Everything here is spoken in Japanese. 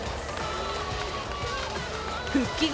復帰後